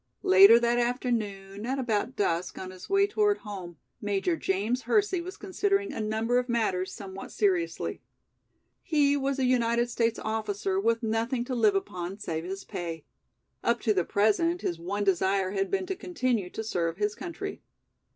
Later that afternoon, at about dusk, on his way toward home, Major James Hersey was considering a number of matters somewhat seriously. He was a United States officer with nothing to live upon save his pay. Up to the present his one desire had been to continue to serve his country.